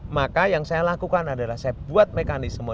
maka yang saya lakukan adalah saya buat mekanisme